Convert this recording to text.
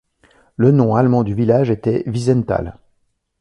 Le nom allemand du village était Wiesenthal.